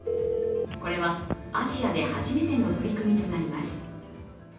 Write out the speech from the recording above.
これはアジアで初めての取り組みとなります。